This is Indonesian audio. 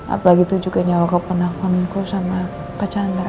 apalagi itu juga nyawa keponakanku sama pak chandra